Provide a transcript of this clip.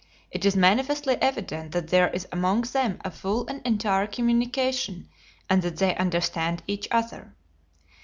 It is manifestly evident that there is among them a full and entire communication, and that they understand each other."